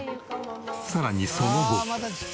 さらにその後。